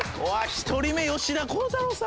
１人目吉田鋼太郎さん。